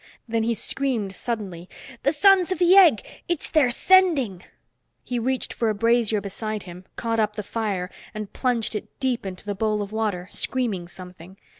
Then he screamed suddenly. "The Sons of the Egg. It's their sending!" He reached for a brazier beside him, caught up the fire and plunged it deep into the bowl of water, screaming something.